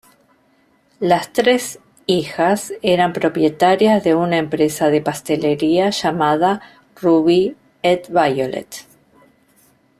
Las tres hijas eran propietarias de una empresa de pastelería llamada "Ruby et Violette".